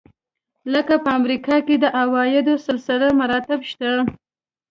لکه په امریکا کې د عوایدو سلسله مراتب شته.